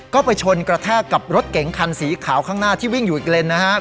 ก็ไปชนกระแทกกับรถเก๋งคันสีขาวข้างหน้าที่วิ่งอยู่อีกเลนนะครับ